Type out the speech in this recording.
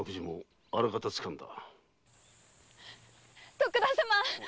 徳田様！